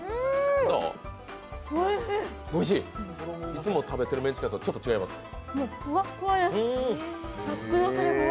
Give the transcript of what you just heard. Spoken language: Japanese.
いつも食べてるメンチカツとちょっと違いますか？